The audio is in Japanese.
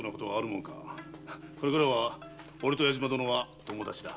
これからは俺と矢島殿は友達だ。